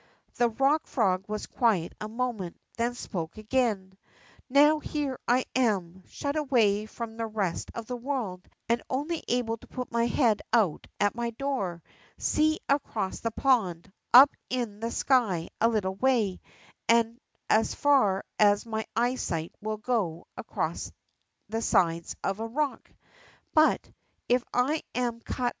The Rock Frog was quiet a moment, then spoke again : Yow here am I, shut away from the rest of the world and only able to put my head out at my door, see across the pond, up in the sky a little way, and as far as my eyesight will go across the sides of the rock. But, if I am cut